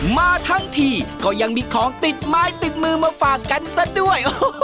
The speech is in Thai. มาทั้งทีก็ยังมีของติดไม้ติดมือมาฝากกันซะด้วย